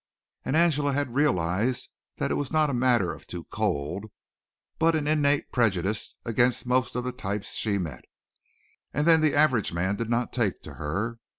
And Angela had realized that it was not a matter of "too cold," but an innate prejudice against most of the types she met. And then the average man did not take to her.